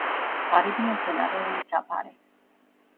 ღარიბია მცენარეული საფარი.